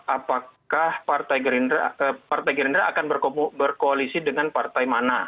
apakah partai gerindra akan berkoalisi dengan partai mana